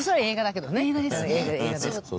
映画ですね。